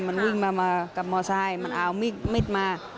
มันวิ่งมากับมอไซค์มันเอามีดมา